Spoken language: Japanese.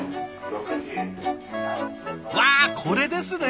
わあこれですね！